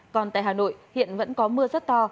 còn tại hà nội hiện vẫn có mưa rất to